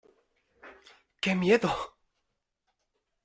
¡Qué miedo!